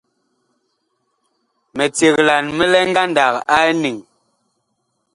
Miceglan mi lɛ ngandag a eniŋ.